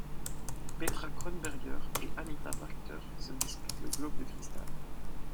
Petra Kronberger et Anita Wachter se disputent le globe de cristal.